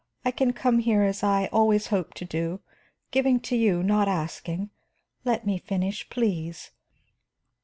I can come here as I always hoped to do, giving to you, not asking. Let me finish, please.